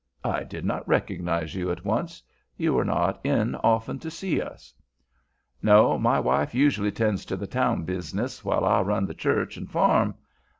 I did not recognize you at once. You are not in often to see us." "No; my wife usually 'tends to the town bizness, while I run the church and farm.